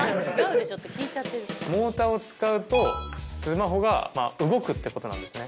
モーターを使うとスマホが動くってことなんですね。